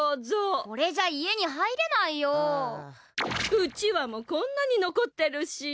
うちわもこんなにのこってるし。